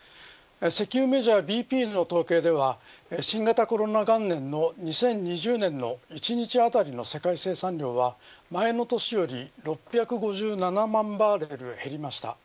石油メジャーＢＰの統計では新型コロナ元年の２０２０年の１日当たりの世界生産量は前の年より６５７万バーレル減りました。